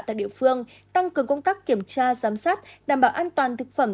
tại địa phương tăng cường công tác kiểm tra giám sát đảm bảo an toàn thực phẩm